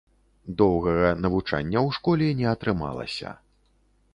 Доўгага навучання ў школе не атрымалася.